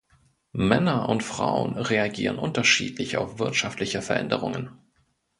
Männer und Frauen reagieren unterschiedlich auf wirtschaftliche Veränderungen.